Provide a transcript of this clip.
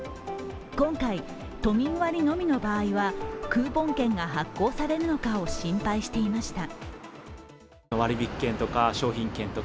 今回、都民割のみの場合は、クーポン券が発行されるのかを心配していました。